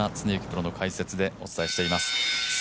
プロの解説でお伝えしています。